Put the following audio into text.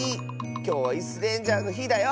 きょうは「イスレンジャー」のひだよ！